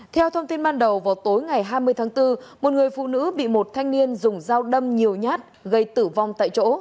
theo thông tin ban đầu vào tối ngày hai mươi tháng bốn một người phụ nữ bị một thanh niên dùng dao đâm nhiều nhát gây tử vong tại chỗ